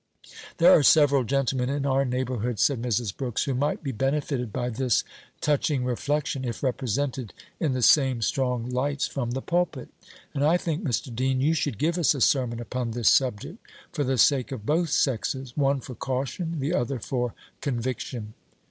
"There are several gentlemen in our neighbourhood," said Mrs. Brooks, "who might be benefited by this touching reflection, if represented in the same strong lights from the pulpit. And I think, Mr. Dean, you should give us a sermon upon this subject, for the sake of both sexes, one for caution, the other for conviction."